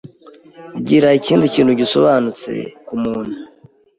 Gira ikindi kintu gisobanutse ku umuntu